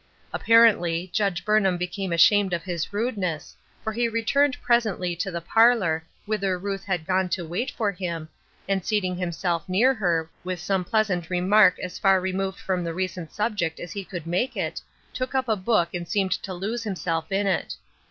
Apparently, Judge Burnham became ashamed of liis rudeness, for he returned presently to the parlor, whither E uth had gone to wait for him, and seating himself near hei, with some pleasant remark as far removed from the recent subject as he could make it, took up a book and seemed to lose himself in it.